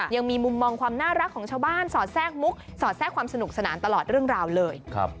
ยังมีมุมมองความน่ารักของชาวบ้านสอดแทรกมุกสอดแทรกความสนุกสนานตลอดเรื่องราวเลย